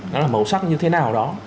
nó là màu sắc như thế nào đó